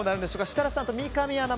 設楽さんと三上アナ